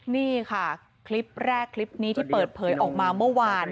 นี่ค่ะคลิปแรกคลิปนี้ที่เปิดเผยออกมาเมื่อวาน